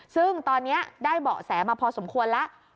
ซึ่งตอนนี้ได้เบาะแสมาพอสมควรแล้ว